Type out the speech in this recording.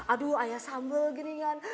aduh ayah sambal gini kan